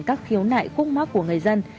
các khiếu nại khúc mắc của người dân